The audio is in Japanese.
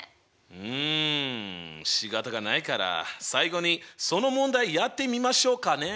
うんしかたがないから最後にその問題やってみましょうかね。